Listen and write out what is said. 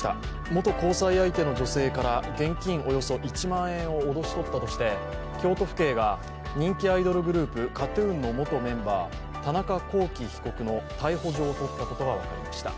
元交際相手の女性から現金およそ１万円を脅し取ったとして京都府警が人気アイドルグループＫＡＴ−ＴＵＮの元メンバー田中聖被告の逮捕状を取ったことが分かりました。